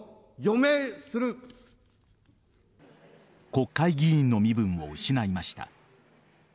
国会議員の身分を失いました。